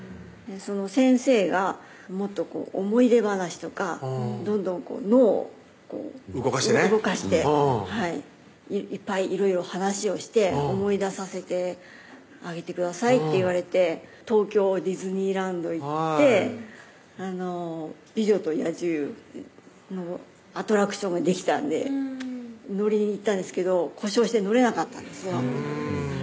先生が「もっと思い出話とかどんどん脳をこう」動かしてね「いっぱいいろいろ話をして思い出させてあげてください」って言われて東京ディズニーランド行って美女と野獣のアトラクションができたん乗りに行ったんですけど故障して乗れなかったんですよ